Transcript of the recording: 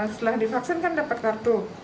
setelah divaksin kan dapat kartu